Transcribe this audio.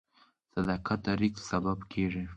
• صداقت د رزق سبب کیږي.